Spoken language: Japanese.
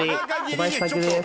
小林尊です